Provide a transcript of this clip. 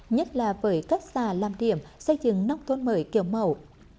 nhất là với các xã làm điểm xây dựng nông thôn mới kiểu mẫu